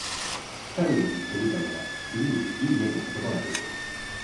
機械をじっと見たまま、次に、「いいね」と言葉が出て、